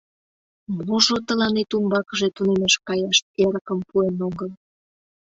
Можо тыланет умбакыже тунемаш каяш эрыкым пуэн огыл?